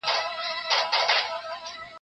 ویل ګوره چي ګنجی سر دي نیولی